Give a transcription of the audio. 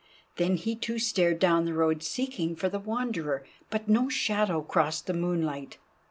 Then he too stared down the road seeking for the Wanderer, but no shadow crossed the moonlight.